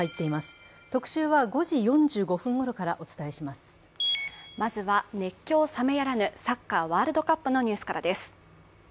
まずは熱狂冷めやらぬサッカー・ワールドカップのニュースからです。